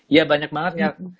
iya banyak banget ya